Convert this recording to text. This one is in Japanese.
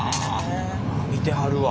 見てはるわ。